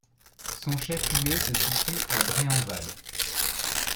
Son chef-lieu se situe à Bray-en-Val.